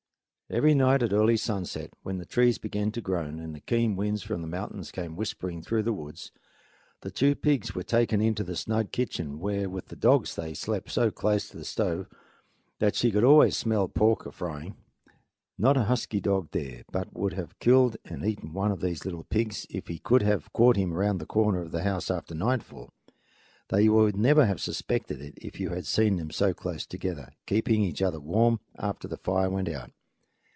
Every night at early sunset, when the trees began to groan and the keen winds from the mountains came whispering through the woods, the two pigs were taken into the snug kitchen, where with the dogs they slept so close to the stove that she could always smell pork a frying. Not a husky dog there but would have killed and eaten one of these little pigs if he could have caught him around the corner of the house after nightfall, though you would never have suspected it if you had seen them so close together, keeping each other warm after the fire went out.